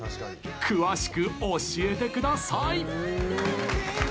詳しく教えてください！